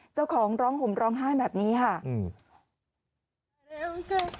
เจ้าของร้องห่มร้องไห้แบบนี้ค่ะอืม